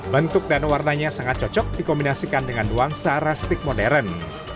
bentuk dan warnanya sangat cocok dikombinasikan dengan nuansa rustic modern